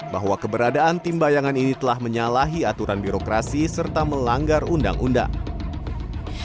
bahwa keberadaan tim bayangan ini telah menyalahi aturan birokrasi serta melanggar undang undang